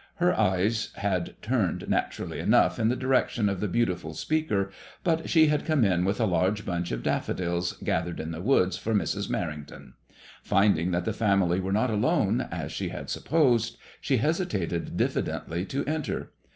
Her eye^ had turned, naturally enough, in the direction of the beautiful speaker, but she had come in with a large bunch of daffodils gathered in the woods for Mrs. Merrington. Finding that the family were not alone, as she had supposed, she hesitated diffidently to enter.